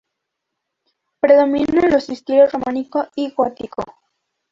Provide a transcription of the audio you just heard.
Predominan los estilos románico y gótico.